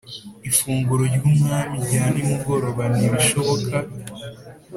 ifunguro ry Umwami rya nimugoroba ntibishoboka